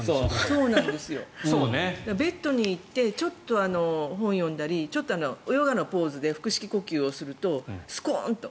ベッドに行ってちょっと本を読んだりヨガのポーズで腹式呼吸をすると、スコンと。